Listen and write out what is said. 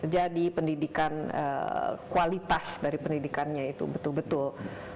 jadi pendidikan kualitas dari pendidikannya itu betul betul